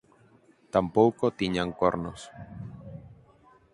Tampouco tiñan cornos.